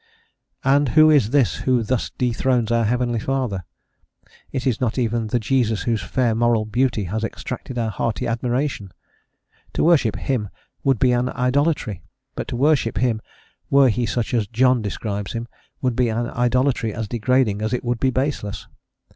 And who is this who thus dethrones our heavenly Father? It is not even the Jesus whose fair moral beauty has exacted our hearty admiration. To worship him would be an idolatry, but to worship him were he such as "John" describes him would be an idolatry as degrading as it would be baseless.